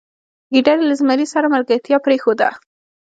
ګیدړې له زمري سره ملګرتیا پریښوده.